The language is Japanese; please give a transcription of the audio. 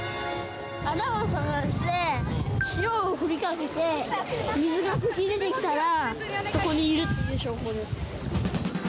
穴を探して、塩を振りかけて、水が噴き出てきたらそこにいるって証拠です。